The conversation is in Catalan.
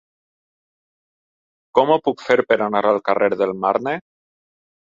Com ho puc fer per anar al carrer del Marne?